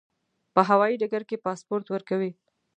په هوایي ډګر کې پاسپورت ورکوي.